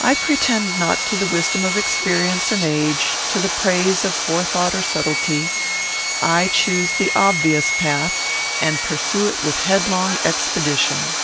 I pretend not to the wisdom of experience and age; to the praise of forethought or subtlety. I choose the obvious path, and pursue it with headlong expedition.